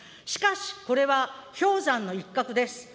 しかし、これは氷山の一角です。